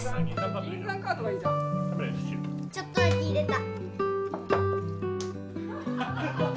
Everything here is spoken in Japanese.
ちょっとだけ入れた。